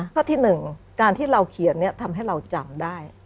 ข้อที่๑การที่เราเขียนทำให้เราจำได้